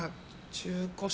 中古車？